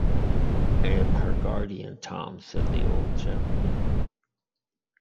“I am her guardian, Tom,” said the old gentleman.